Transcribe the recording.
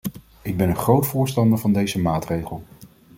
Ik ben een groot voorstander van deze maatregel.